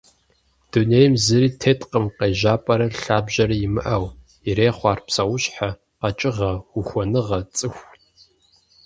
Дунейм зыри теткъым къежьапӏэрэ лъабжьэрэ имыӏэу, ирехъу ар псэущхьэ, къэкӏыгъэ, ухуэныгъэ, цӏыху.